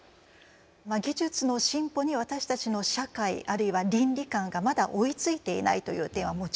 技術の進歩に私たちの社会あるいは倫理観がまだ追いついていないという点はもちろんあります。